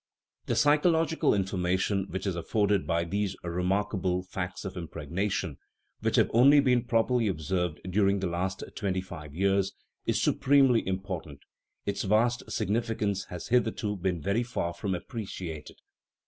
The psychological information which is afforded by these remarkable facts of impregnation, which have only been properly observed during the last twenty five years, is supremely important; its vast signifi cance has hitherto been very far from appreciated.